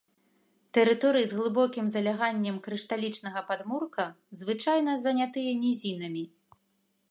Тэрыторыі з глыбокім заляганнем крышталічнага падмурка звычайна занятыя нізінамі.